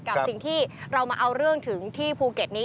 กับสิ่งที่เรามาเอาเรื่องถึงที่ภูเก็ตนี้